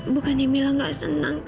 bukan emi eang tidak senang